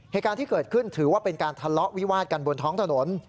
เหตุการณ์ที่เกิดขึ้นถือว่าเป็นการทะเลาะวิวาดกันบนท้องถนน